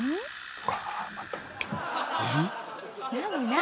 何？